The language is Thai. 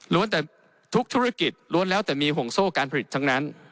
แต่ทุกธุรกิจล้วนแล้วแต่มีห่วงโซ่การผลิตทั้งนั้น